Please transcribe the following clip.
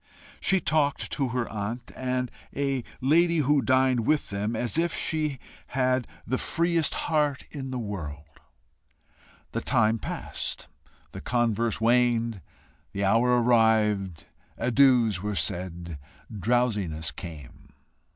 She talked to her aunt and a lady who dined with them as if she had the freest heart in the world; the time passed; the converse waned; the hour arrived; adieus were said; drowsiness came.